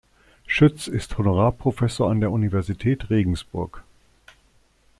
Schütz ist Honorarprofessor an der Universität Regensburg.